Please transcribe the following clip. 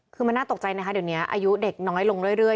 คือมันน่าตกใจนะคะเดี๋ยวนี้อายุเด็กน้อยลงเรื่อย